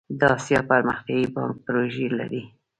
د اسیا پرمختیایی بانک پروژې لري